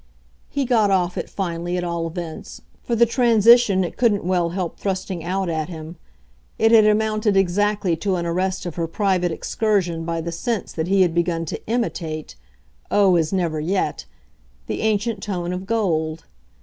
He got off it, finally, at all events, for the transition it couldn't well help thrusting out at him; it had amounted exactly to an arrest of her private excursion by the sense that he had begun to IMITATE oh, as never yet! the ancient tone of gold.